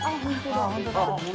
本当だ。